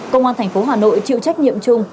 công an thành phố hà nội chịu trách nhiệm chung